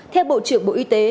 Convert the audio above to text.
theo bộ trưởng bộ y tế